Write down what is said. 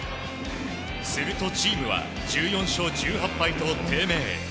するとチームは１４勝１８敗と低迷。